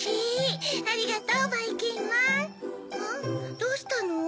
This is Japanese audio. どうしたの？